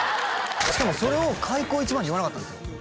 しかもそれを開口一番に言わなかったんですよ